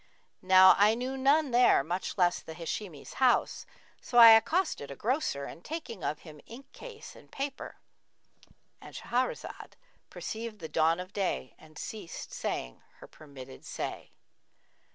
Now I knew none there much less the Hashimi's house, so I accosted a grocer and taking of him inkcase and paper, — And Shahrazad perceived the dawn of day and ceased saying her permitted say.